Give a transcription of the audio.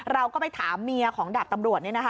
เราก็ไปถามเมียของดาบตำรวจ